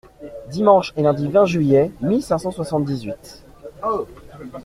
Dimanche et lundi vingt juillet mille cinq cent soixante-dix-huit .